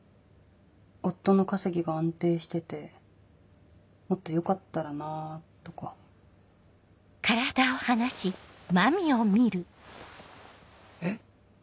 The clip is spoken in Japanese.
夫の稼ぎが安定しててもっと良かったらなぁとかえ？